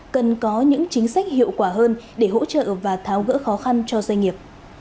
cần có những chính sách hiệu quả hơn để hỗ trợ và tháo gỡ khó khăn cho doanh nghiệp